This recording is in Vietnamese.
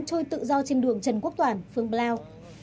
trôi tự do trên đường trần quốc toàn phương blau